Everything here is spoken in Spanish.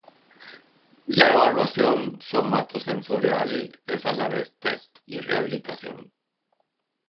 La evaluación somatosensorial es a la vez test y rehabilitación.